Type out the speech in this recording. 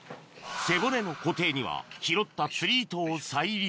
背骨の固定には拾った釣り糸を再利用